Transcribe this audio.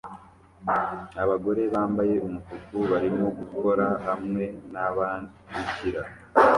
Abagore bambaye umutuku barimo gukora hamwe nababikira